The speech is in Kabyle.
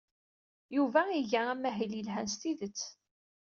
Yuba iga amahil yelhan s tidet.